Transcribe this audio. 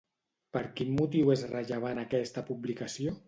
Per quin motiu és rellevant aquesta publicació?